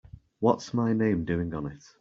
What's my name doing on it?